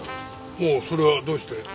ほうそれはどうして？